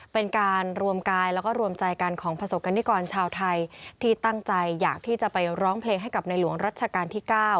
เป็นการรวมกายแล้วก็รวมใจกันของประสบกรณิกรชาวไทยที่ตั้งใจอยากที่จะไปร้องเพลงให้กับในหลวงรัชกาลที่๙